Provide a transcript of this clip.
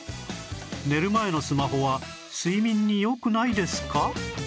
寝る前のスマホは睡眠によくないですか？